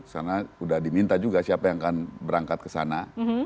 karena sudah diminta juga siapa yang akan berangkat ke sana